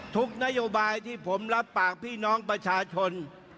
นโยบายที่ผมรับปากพี่น้องประชาชน